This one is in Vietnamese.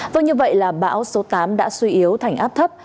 vâng như vậy là bão số tám đã suy yếu thành áp thấp